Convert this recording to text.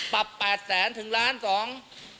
ปรับแปดแสนถึงล้านสอง